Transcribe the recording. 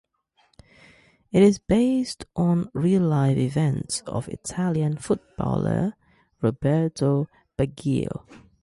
It is based on real life events of Italian footballer Roberto Baggio.